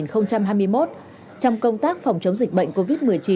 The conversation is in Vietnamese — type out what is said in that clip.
trong công tác phòng chống dịch bệnh covid một mươi chín